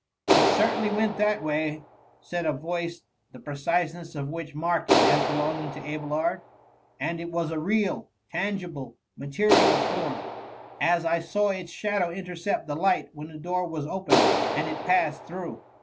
" It certainly went that way,^ said a voice, the predseness of which marked it as belonging to Abelard ;and it was a real, tengible, ma> terial form, as I saw its shadow intercept Uie light when the door was opened and it passed through."